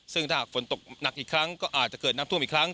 ซึ่งถ้าหากฝนตกหนักอีกครั้งก็อาจจะเกิดน้ำท่วมอีกครั้ง